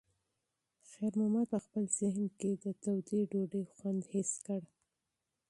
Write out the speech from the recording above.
خیر محمد په خپل ذهن کې د تودې ډوډۍ خوند حس کړ.